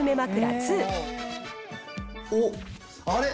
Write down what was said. おっあれ？